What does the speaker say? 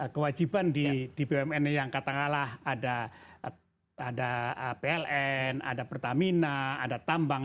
kewajiban di bumn yang katakanlah ada pln ada pertamina ada tambang